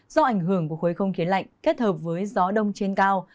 do ảnh hưởng của khối không khí lạnh kết hợp với gió đông trên cao